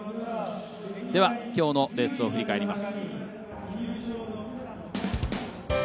きょうのレースを振り返ります。